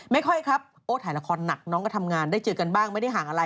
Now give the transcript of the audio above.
ไม่ค่อยครับโอ้ถ่ายละครหนักน้องก็ทำงานได้เจอกันบ้างไม่ได้ห่างอะไร